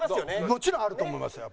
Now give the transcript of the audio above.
もちろんあると思いますよ。